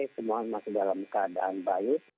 semua masih dalam keadaan baik